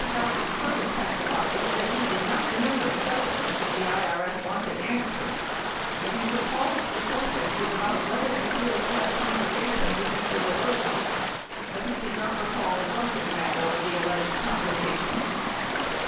1021 Fred Buzhardt further testified that he did not remember the ques tions that the IKS wanted answered, that he recalled "the sub ject .was about whether Miss Woods had a conversation with Mr. Re bozo", but he could not recall the subject matter of the alleged conver sation.